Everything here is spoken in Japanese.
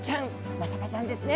マサバちゃんですね。